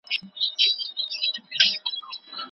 دا کمښت بېساری بلل کېږي.